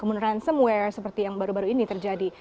kemudaran semuanya seperti yang baru baru ini terjadi